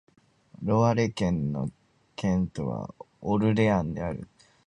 ロワレ県の県都はオルレアンである